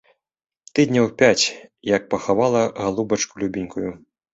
Тыдняў пяць, як пахавала галубачку любенькую.